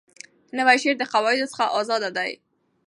نوی شعر د قواعدو څخه آزاده دی.